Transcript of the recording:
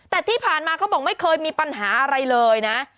แต่ที่ผ่านมาเขาบอกไม่เคยมีปัญหาอะไรเลยนะ